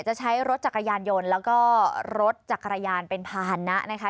จะใช้รถจักรยานโยนแล้วก็รถจักรยานเป็นพาหันะ